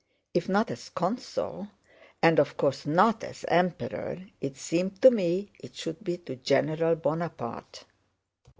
If not as 'Consul' and of course not as 'Emperor,' it seemed to me it should be to 'General Bonaparte.